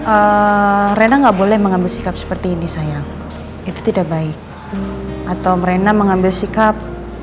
eh rena nggak boleh mengambil sikap seperti ini sayang itu tidak baik atau rena mengambil sikap